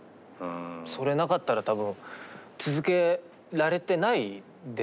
それなかったら多分続けられてないですし。